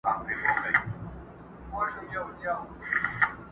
نن جهاني په ستړو منډو رباتونه وهي!!